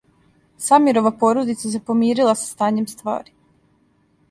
Самирова породица се помирила са стањем ствари.